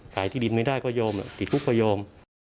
ขายที่ดินไม่ได้ก็โยมติดคุกก็โยม